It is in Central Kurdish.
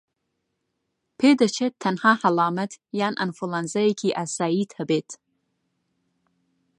پێدەچێت تەنها هەڵامەت یان ئەنفلەوەنزایەکی ئاساییت هەبێت